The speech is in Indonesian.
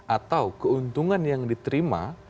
atau keuntungan yang diterima